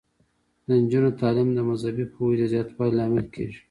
د نجونو تعلیم د مذهبي پوهې د زیاتوالي لامل کیږي.